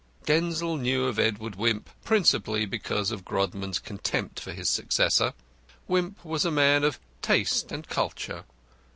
Denzil knew of Edward Wimp, principally because of Grodman's contempt for his successor. Wimp was a man of taste and culture.